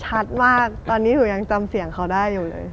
ชัดมากตอนนี้หนูยังจำเสียงเขาได้อยู่เลย